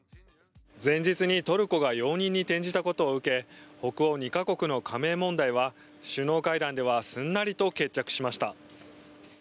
前日にトルコが容認に転じたことを受け北欧２か国の加盟問題は首脳会談ではすんなりと決着しました。